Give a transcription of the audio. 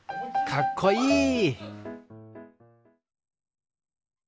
かっこいい！